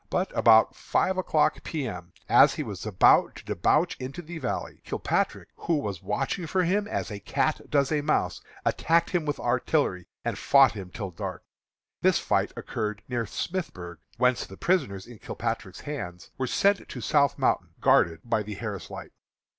But about five o'clock P. M., as he was about to debouch into the valley, Kilpatrick, who was watching for him as a cat does a mouse, attacked him with artillery and fought him till dark. This fight occurred near Smithburg, whence the prisoners in Kilpatrick's hands were sent to South Mountain, guarded by the Harris Light.